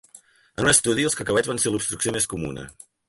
En un estudi, els cacauets van ser l'obstrucció més comuna.